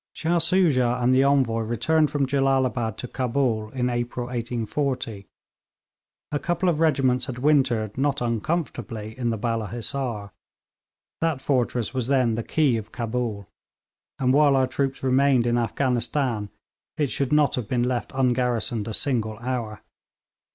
Shah Soojah and the Envoy returned from Jellalabad to Cabul in April 1840. A couple of regiments had wintered not uncomfortably in the Balla Hissar. That fortress was then the key of Cabul, and while our troops remained in Afghanistan it should not have been left ungarrisoned a single hour.